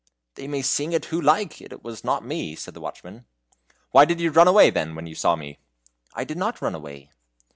"They may sing it who like, it was not me," said the watchman. "Why did you run away, then, when you saw me?" "I did not run away."